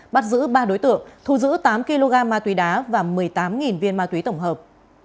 bắt giữ ba đối tượng thu giữ tám kg ma túy đá và một mươi tám viên ma túy tổng hợp